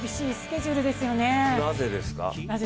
なぜですか。